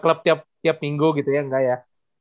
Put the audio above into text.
gaya ke klub tiap minggu gitu ya gaya